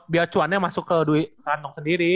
biar cuannya masuk ke duit kantong sendiri